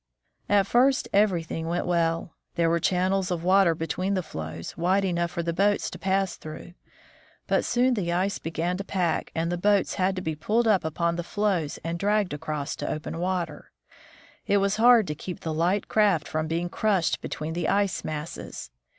At first everything went well. There were channels of water between the floes, wide enough for the boats to pass through. But soon the ice began to pack, and the boats had to be pulled up upon the floes and dragged across to open water. It was hard to keep the light craft from being crushed between the ice masses.